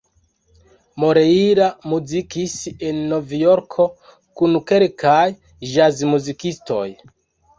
Moreira muzikis en Novjorko kun kelkaj ĵazmuzikistoj.